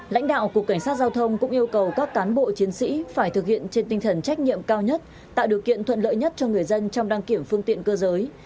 lãnh đạo cục cảnh sát giao thông cũng yêu cầu các cán bộ chiến sĩ phải thực hiện trên tinh thần trách nhiệm cao nhất tạo điều kiện thuận lợi nhất cho người dân trong đăng kiểm phương tiện cơ giới